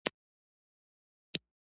احمد د خپلې مور د مړینې نه ورسته ډېر غمجن دی.